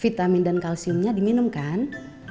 vitamin dan kalsiumnya diminum kan